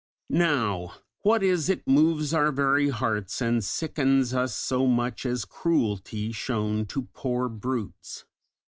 Now, what is it moves our very hearts and sickens us so much as cruelty shown to poor brutes?